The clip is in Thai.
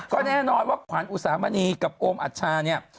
ก็แน่นอนว่าขวัญอุสามณีกับโอมอัชชาเนี่ย